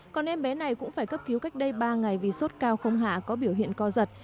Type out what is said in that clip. còn em bé này cũng phải cấp cứu cách đây ba ngày vì sốt cao không hạ có biểu hiện co giật